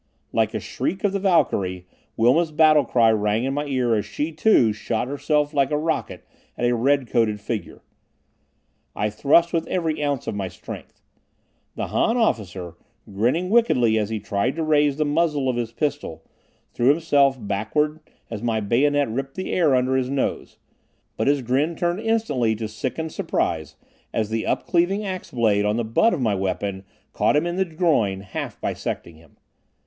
Like a shriek of the Valkyrie, Wilma's battle cry rang in my ear as she, too, shot herself like a rocket at a red coated figure. I thrust with every ounce of my strength. The Han officer, grinning wickedly as he tried to raise the muzzle of his pistol, threw himself backward as my bayonet ripped the air under his nose. But his grin turned instantly to sickened surprise as the up cleaving ax blade on the butt of my weapon caught him in the groin, half bisecting him.